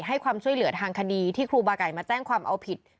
ให้ความช่วยเหลือทางคดีที่ครูบาไก่มาแจ้งความเอาผิด